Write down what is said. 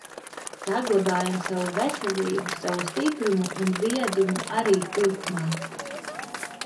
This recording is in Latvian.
Saglabājam savu veselību, savu stiprumu un viedumu arī turpmāk...